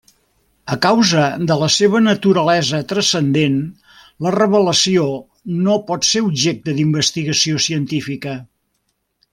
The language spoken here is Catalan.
A causa de la seva naturalesa transcendent, la revelació no pot ser objecte d'investigació científica.